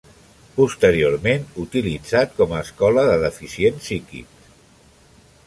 Posteriorment utilitzat com Escola de Deficient Psíquics.